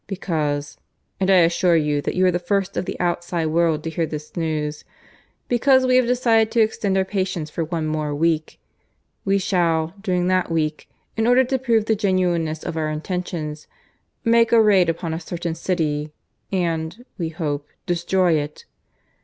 Because (and I assure you that you are the first of the outside world to hear this news) because we have decided to extend our patience for one more week. We shall, during that week, in order to prove the genuineness of our intentions, make a raid upon a certain city and, we hope, destroy it.